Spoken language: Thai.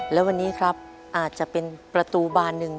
และวันนี้ครับอาจจะเป็นประตูบานหนึ่ง